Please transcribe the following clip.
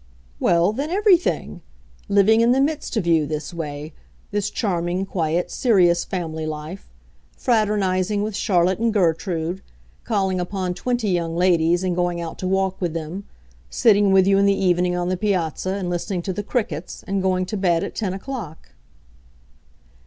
"Well, than everything! Living in the midst of you, this way; this charming, quiet, serious family life; fraternizing with Charlotte and Gertrude; calling upon twenty young ladies and going out to walk with them; sitting with you in the evening on the piazza and listening to the crickets, and going to bed at ten o'clock."